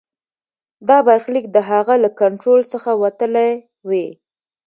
دا برخلیک د هغه له کنټرول څخه وتلی وي.